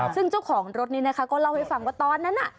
ซึ่งเจ้าของรถนี้นะคะก็เล่าให้ฟังว่าตอนนั้นน่ะ